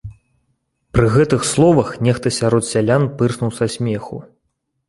Пры гэтых словах нехта сярод сялян пырснуў са смеху.